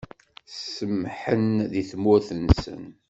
Semmḥen di tmurt-nsen.